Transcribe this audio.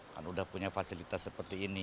kan udah punya fasilitas seperti ini